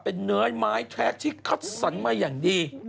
เป็นเนื้อไม้แท้ที่คัดสรรมาอย่างดี